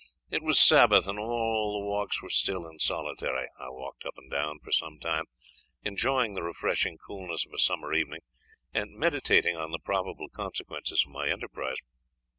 It was Sabbath, and all the walks were still and solitary. I walked up and down for some time, enjoying the refreshing coolness of a summer evening, and meditating on the probable consequences of my enterprise.